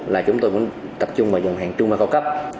là chúng tôi cũng tập trung vào dòng hàng trung và cao cấp